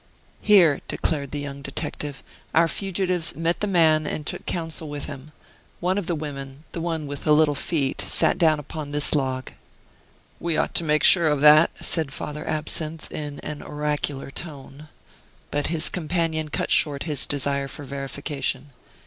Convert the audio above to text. "Here," declared the young detective, "our fugitives met the man and took counsel with him. One of the women, the one with the little feet, sat down upon this log." "We ought to make quite sure of that," said Father Absinthe, in an oracular tone. But his companion cut short his desire for verification.